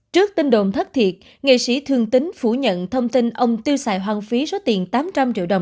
trước tin đồn thất thiệt nghệ sĩ thương tín phủ nhận thông tin ông tiêu xài hoang phí số tiền tám trăm linh triệu đồng